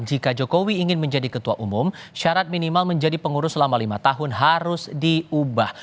jika jokowi ingin menjadi ketua umum syarat minimal menjadi pengurus selama lima tahun harus diubah